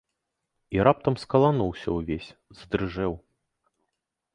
І раптам скалануўся ўвесь, задрыжэў.